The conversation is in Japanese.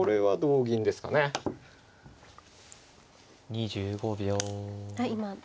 ２５秒。